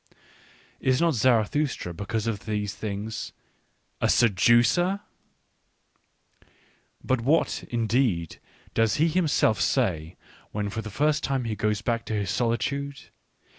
Is not Zarathustra, because of these things, a seducer 1 ... But what, indeed, does he himself say, when for the first time he goes back to his solitude?